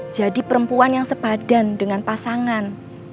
jadi perempuan yang sepadan dengan pasangan